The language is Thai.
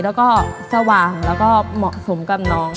แล้วก็สว่างแล้วก็เหมาะสมกับน้อง